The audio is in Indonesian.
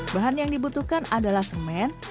bahan yang dibutuhkan adalah semen